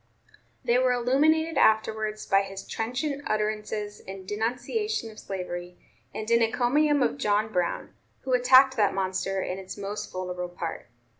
They were illuminated afterwards by his trenchant utterances in denunciation of slavery and in encomium of John Brown, who attacked that monster in its most vulnerable part.